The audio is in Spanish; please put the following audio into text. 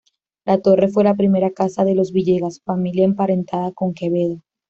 La torre fue la primera casa de los Villegas, familia emparentada con Quevedo.